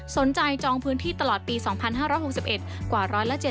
จองพื้นที่ตลอดปี๒๕๖๑กว่า๑๗๐